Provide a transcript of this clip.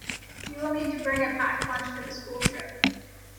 You will need to bring a packed lunch for the school trip.